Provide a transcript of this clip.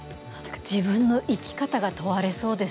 自分の生き方が問われそうですね。